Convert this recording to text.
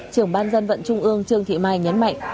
trưởng ban dân vận trung ương trương thị mai nhấn mạnh